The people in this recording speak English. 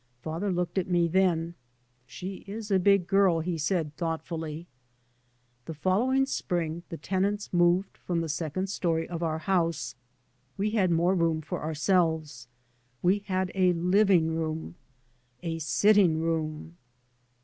" Father looked at me then. " She is a big girl," he said thought fully. The following spring the tenants moved from the second story of our house. We had more room for ourselves. We had a living room, a " sitting room."